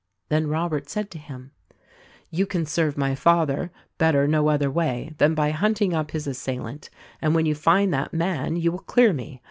Then Robert said to him: "You can serve my father, better no other way than by hunting up his assailant; and when you find that man you will clear me.